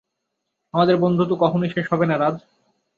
আমাদের বন্ধুত্ব কখনই শেষ হবে না, রাজ।